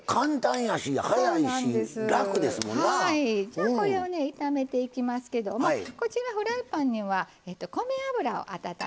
じゃあこれをね炒めていきますけどもこちらフライパンには米油を温めてますね。